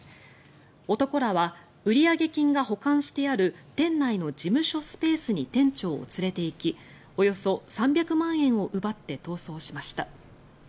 男らは売上金が保管してある店内の事務所スペースに店長を連れていきおよそ３００万円を奪って逃走しました。